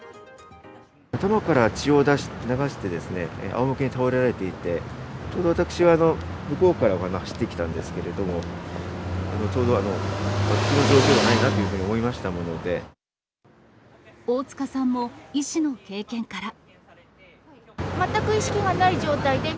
頭から血を流してですね、あおむけに倒れられていて、ちょうど私は向こうから走ってきたんですけれども、普通の状況ではないなというふうに思いましたもので。